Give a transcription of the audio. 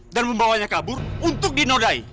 dan membawanya kabur untuk dinodai